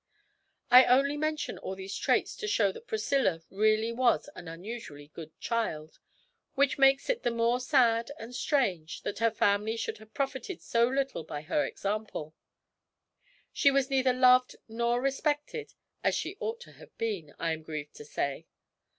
I only mention all these traits to show that Priscilla really was an unusually good child, which makes it the more sad and strange that her family should have profited so little by her example. She was neither loved nor respected as she ought to have been, I am grieved to say.